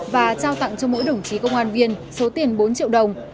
và trao tặng cho mỗi đồng chí công an viên số tiền bốn triệu đồng